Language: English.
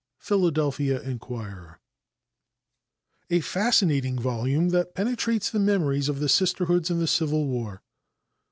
Philadelphia Inquirer. "A Fascinating Volume that Perpetuates the Memories of the Sisterhoods in the Civil War."